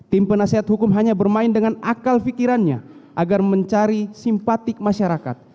tim penasehat hukum hanya bermain dengan akal pikirannya agar mencari simpatik masyarakat